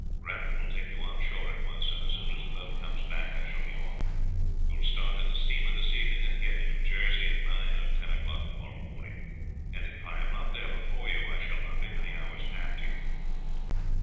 Grantham will take you on shore at once, and as soon as the boat comes back I shall be off. You will start in the steamer this evening, and get into Jersey at nine or ten o'clock tomorrow morning; and if I am not there before you, I shall not be many hours after you."